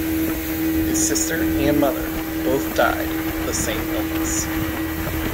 His sister and mother both died of the same illness.